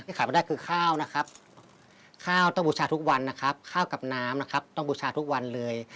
ขายไม่ได้คือข้าวนะครับข้าวต้องบูชาทุกวันนะครับข้าวกับน้ำนะครับต้องบูชาทุกวันเลย